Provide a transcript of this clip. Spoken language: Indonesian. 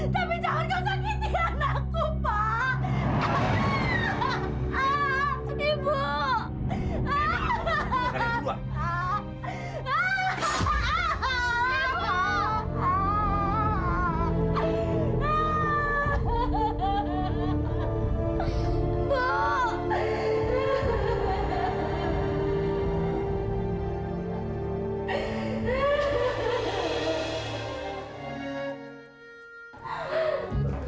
tapi jangan kau sakiti anakku pak